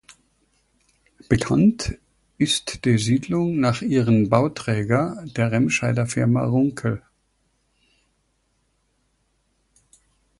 Benannt ist de Siedlung nach ihren Bauträger, der Remscheider Firma "Runkel".